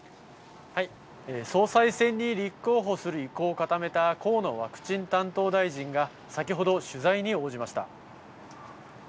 総裁選に立候補する意向を固めた河野ワクチン担当大臣が、先ほど取材に応じました。